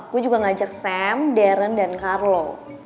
gue juga ngajak sam dern dan carlo